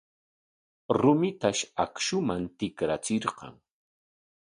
Rumitash akshuman tikrachirqan.